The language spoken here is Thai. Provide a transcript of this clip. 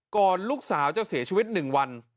ก่อนลูกสาวจะเสียชีวิต๑วัน